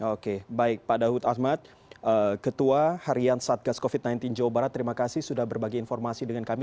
oke baik pak daud ahmad ketua harian satgas covid sembilan belas jawa barat terima kasih sudah berbagi informasi dengan kami